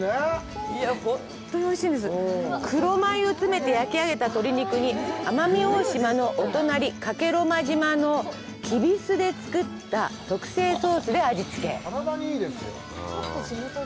黒米を詰めて焼き上げた鶏肉に奄美大島のお隣、加計呂麻島のきび酢で作った特製ソースで味付け。